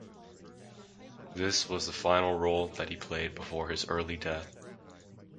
This was the final role that he played before his early death.